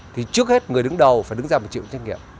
thì trước hết người đứng đầu phải đứng ra và chịu trách nghiệm